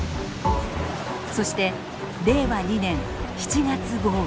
そして令和２年７月豪雨。